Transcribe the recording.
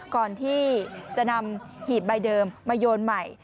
ก่อนที่จะนำหีบใบเดิมมาโยนใหม่